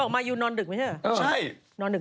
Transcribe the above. มายูนอนดึกไม่ใช่เหรอ